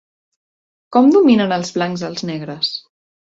Com dominen els blancs als negres?